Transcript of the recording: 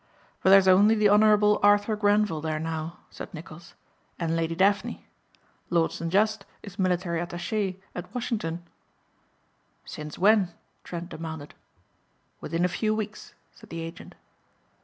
"But there's only the Honourable Arthur Grenvil there now," said Nicholls, "and Lady Daphne. Lord St. Just is military attaché at Washington." "Since when?" Trent demanded. "Within a few weeks," said the agent.